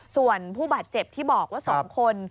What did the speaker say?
ส่วนผู้บาดเจ็บที่บอกว่า๒คน